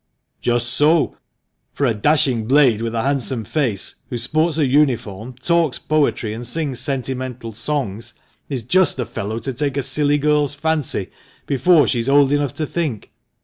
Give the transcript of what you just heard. "Just so; for a dashing blade with a handsome face, who sports a uniform, talks poetry, and sings sentimental songs, is just the fellow to take a silly girl's fancy, before she is old enough to think.